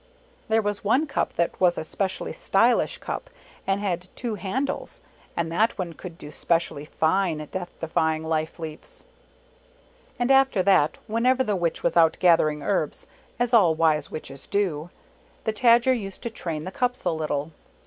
There was one cup that was a specially stylish cup and had two handles, and that one could do specially fine Death defy ing life leaps. And after that, whenever the Witch was out gathering herbs, as all wise Witches do, the Tajer used to train the cups a little.